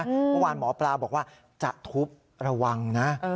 หมอปลาบอกว่าจะทุบระวังนะ